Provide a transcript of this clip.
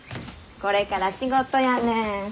これから仕事やねん。